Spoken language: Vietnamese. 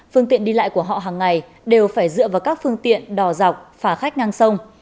phương tiện đi lại của họ hàng ngày đều phải dựa vào các phương tiện đò dọc phà khách ngang sông